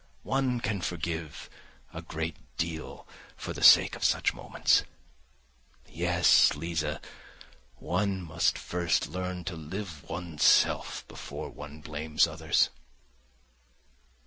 One can forgive a great deal for the sake of such moments. Yes, Liza, one must first learn to live oneself before one blames others!"